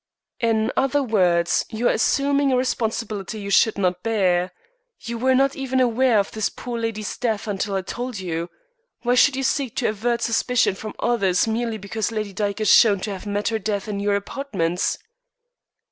"In other words, you are assuming a responsibility you should not bear. You were not even aware of this poor lady's death until I told you. Why should you seek to avert suspicion from others merely because Lady Dyke is shown to have met her death in your apartments?"